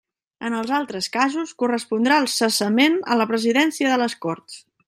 En els altres casos, correspondrà el cessament a la Presidència de les Corts.